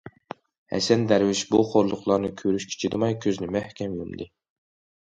ھەسەن دەرۋىش بۇ خورلۇقلارنى كۆرۈشكە چىدىماي كۆزىنى مەھكەم يۇمدى.